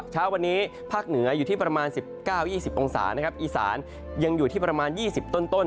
เช้าวันนี้ภาคเหนืออยู่ที่ประมาณ๑๙๒๐องศานะครับอีสานยังอยู่ที่ประมาณ๒๐ต้น